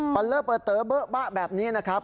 เลอร์เปิดเต๋อเบอะบะแบบนี้นะครับ